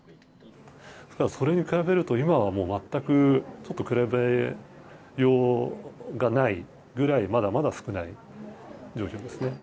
それに比べると、今はもう全く、ちょっと比べようがないぐらい、まだまだ少ない状況ですね。